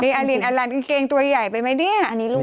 นี่อาลินอะลันเกงตัวใหญ่ไปไหมเนี่ย